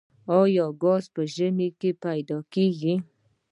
آیا ګاز په ژمي کې پیدا کیږي؟